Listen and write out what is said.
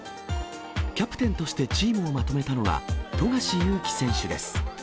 キャプテンとしてチームをまとめたのが富樫勇樹選手です。